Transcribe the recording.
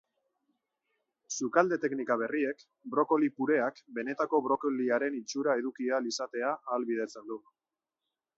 Sukalde teknika berriek brokoli pureak benetako brokoliaren itxura eduki ahal izatea ahalbidetzen du.